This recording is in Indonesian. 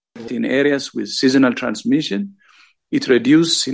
pada kawasan dengan transmisi sehari